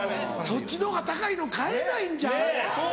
そっちのほうが高いの買えないんちゃう？